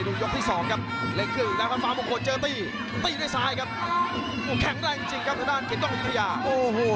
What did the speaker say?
วันนี้เปลี่ยนทั้งคู่